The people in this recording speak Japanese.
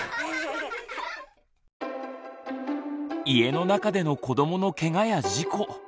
家の中での子どものケガや事故。